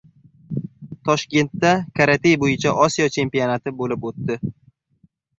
Toshkentda karate bo‘yicha Osiyo chempionati bo‘lib o‘tdi